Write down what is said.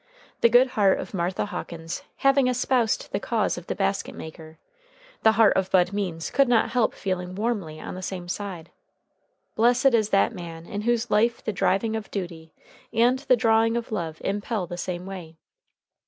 The good heart of Martha Hawkins having espoused the cause of the basket maker, the heart of Bud Means could not help feeling warmly on the same side. Blessed is that man in whose life the driving of duty and the drawing of love impel the same way!